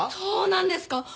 そうなんですか？